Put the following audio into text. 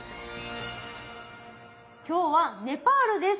今日はネパールです。